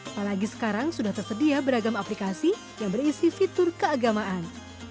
apalagi sekarang sudah tersedia beragam aplikasi yang berisi fitur keagamaan